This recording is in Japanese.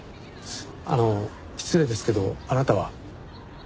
あの失礼ですけどあなたは？